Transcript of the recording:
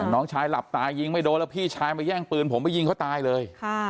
น้องชายหลับตายิงไม่โดนแล้วพี่ชายมาแย่งปืนผมไปยิงเขาตายเลย